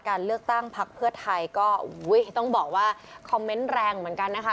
การเลือกตั้งพักเพื่อไทยก็ต้องบอกว่าคอมเมนต์แรงเหมือนกันนะคะ